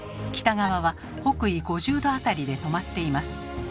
北側は北緯５０°辺りで止まっています。